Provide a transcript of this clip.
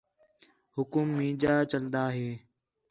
حُکم مینجا چَلدا ہِے